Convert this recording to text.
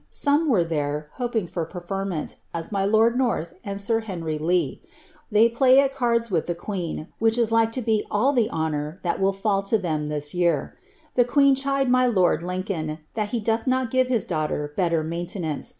Some were there, hoping for prefennent, a* 07 lord North and sir Henry Leigh. They play ai cards with the queen, which is like to be all the honour that will kU to them this yttr. The ciiieen chid my lord Lincoln, that he doth not gire his daughter beiier niainlenance.